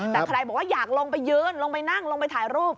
แต่ใครบอกว่าอยากลงไปยืนลงไปนั่งลงไปถ่ายรูป